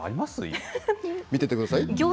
見ててください。